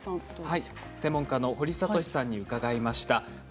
専門家の堀さんに伺いました。